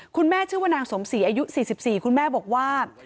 คุณแม่ชื่อว่านางสมศรีอายุ๔๔คุณแม่บอกว่า